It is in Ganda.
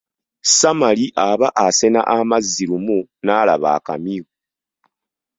Samali aba asena amazzi, lumu n'alaba akamyu.